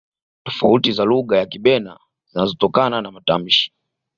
tofauti za lugha ya kibena zinazotokana na matamshi